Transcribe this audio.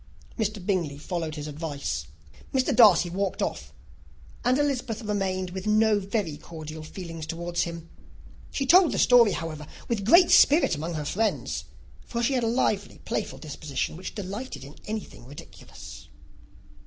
Mr. Bingley followed his advice. Mr. Darcy walked off; and Elizabeth remained with no very cordial feelings towards him. She told the story, however, with great spirit among her friends; for she had a lively, playful disposition, which delighted in anything ridiculous.